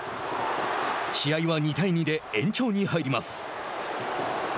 試合は２対２で延長に入ります。